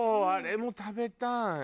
あれも食べたい。